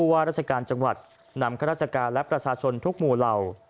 ว่าราชการจังหวัดนำข้าราชการและประชาชนทุกหมู่เหล่า